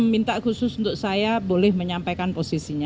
minta khusus untuk saya boleh menyampaikan posisinya